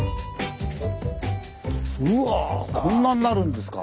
うわこんなになるんですか。